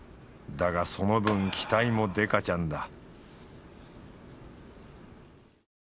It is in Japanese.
だがその分期待もデカちゃんだ